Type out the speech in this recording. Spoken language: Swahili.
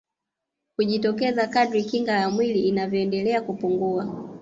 Hujitokeza kadri kinga ya mwili inavyoendelea kupungua